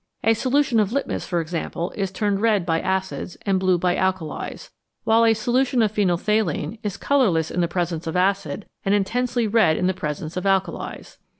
A solution of litmus, for example, is turned red by acids, and blue by alkalis, while a solution of phenol phthalein is colour less in the presence of acids, and intensely red in the presence of alkalis.